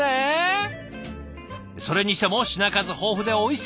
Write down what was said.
それにしても品数豊富でおいしそう。